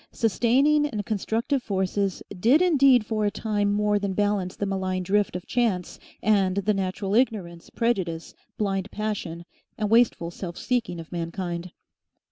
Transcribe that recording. Sustaining and constructive forces did indeed for a time more than balance the malign drift of chance and the natural ignorance, prejudice, blind passion, and wasteful self seeking of mankind.